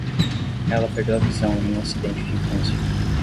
Ela perdeu a visão em um acidente de infância.